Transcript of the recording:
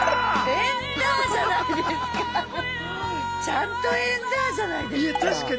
ちゃんと「エンダァ」じゃないですか！